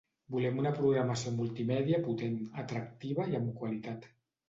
Volem una programació multimèdia potent, atractiva i amb qualitat.